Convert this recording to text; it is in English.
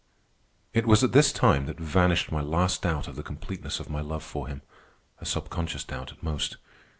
It was at this time that vanished my last doubt of the completeness of my love for him (a subconscious doubt, at most).